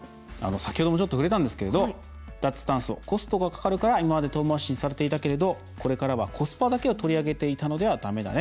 先ほども触れたんですけれども脱炭素、コストがかかるけど今まで遠まわしにされていたけれど、これからはコスパだけを取り上げていたのでは、だめだね。